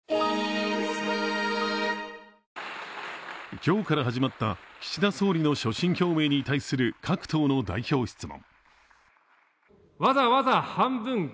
今日から始まった岸田総理の所信表明に対する各党の代表質問。